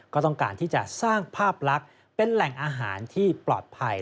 ก็ต้องการที่จะสร้างภาพลักษณ์เป็นแหล่งอาหารที่ปลอดภัย